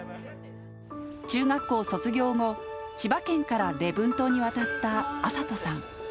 中学校を卒業後、千葉県から礼文島に渡った暁里さん。